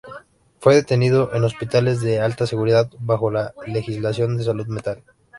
Fue detenido en hospitales de alta seguridad bajo la legislación de salud mental.